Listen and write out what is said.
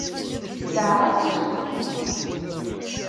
Belɛeɣ-as i uselkim.